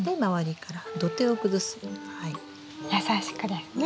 優しくですね？